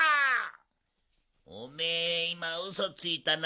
おめえいまウソついたな？